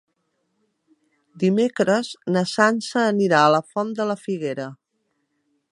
Dimecres na Sança anirà a la Font de la Figuera.